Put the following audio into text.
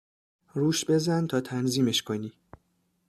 روش بزن تا تنظیمش کنی